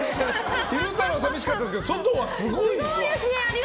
昼太郎、寂しかったですが外はすごいですよ！